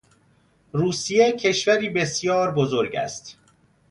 روسیه کشوری بسیار بزرگ است.